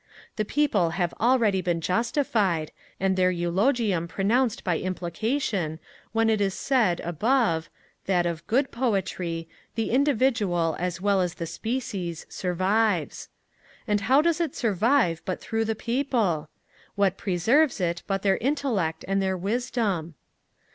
The People have already been justified, and their eulogium pronounced by implication, when it was said, above that, of good poetry, the individual, as well as the species, survives. And how does it survive but through the People? What preserves it but their intellect and their wisdom?